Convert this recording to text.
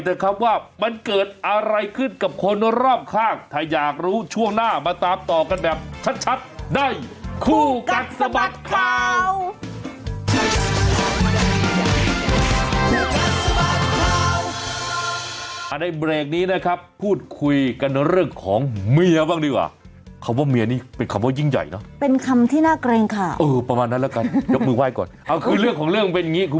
เหึ๊ยคำว่ามันเกิดอะไรขึ้นกับคนรอบข้างถ้าอยากรู้ช่วงหน้ามาตามต่อกันแบบชัดในครูกรัจสระบัดข่าวในเบรกนี้นะครับพูดคุยกันเอะเรื่องของเมียบ้างดีกว่าคำว่าเมียนี่เป็นคำว่ายิ่งใหญ่เนอะเป็นคำที่น่าเกรงค่ะเออประมาณนั้นแล้วกันยกมือไหว้ก่อนอุ้คือเรื่องข